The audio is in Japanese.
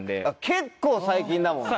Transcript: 結構最近だもんね。